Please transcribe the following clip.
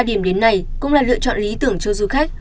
điểm đến này cũng là lựa chọn lý tưởng cho du khách